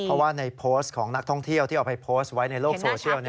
เพราะว่าในโพสต์ของนักท่องเที่ยวที่เอาไปโพสต์ไว้ในโลกโซเชียล